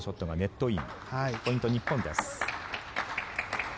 ポイント、日本です。